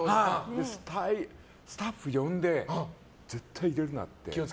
スタッフ呼んで絶対入れるなって。